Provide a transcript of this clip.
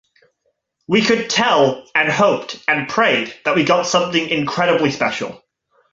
We could tell and hoped and prayed that we got something incredibly special.